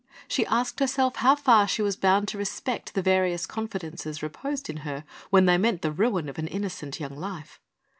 She asked herself how far she was bound to respect the various confidences reposed in her, when they meant the ruin of an innocent young life.